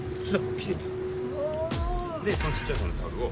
でそのちっちゃい方のタオルを。